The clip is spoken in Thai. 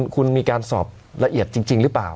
คุณมีการสอบละเอียดจริงหรือเปล่า